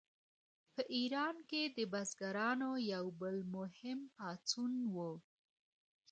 په ایران کې د بزګرانو یو بل مهم پاڅون و.